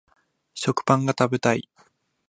食パンが食べたい